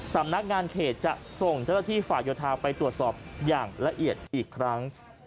สำนักงานเขตจะส่งเจ้าหน้าที่ฝ่ายโยธาไปตรวจสอบอย่างละเอียดอีกครั้ง